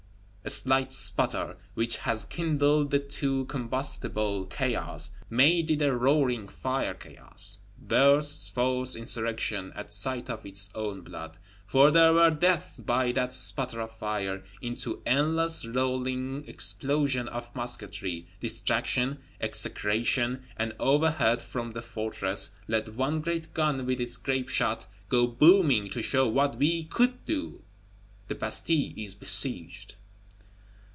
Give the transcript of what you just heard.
A slight sputter, which has kindled the too combustible chaos, made it a roaring fire chaos! Bursts forth Insurrection, at sight of its own blood (for there were deaths by that sputter of fire), into endless, rolling explosion of musketry, distraction, execration; and over head, from the fortress, let one great gun, with its grape shot, go booming, to show what we could do. The Bastille is besieged!